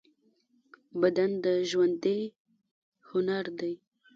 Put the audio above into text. بدن د ژوندۍ هنر دی.